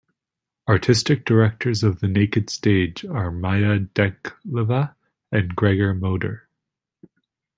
Artistic directors of the Naked Stage are Maja Dekleva and Gregor Moder.